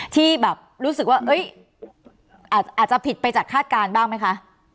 ที่แบบรู้สึกว่าอาจจะผิดไปจากคาดการณ์บ้างไหมคะ